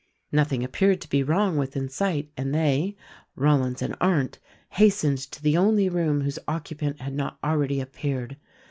Nothing appeared to be wrong within sight and they — Rollins and Arndt — hastened to the only room whose occu pant had not already appeared.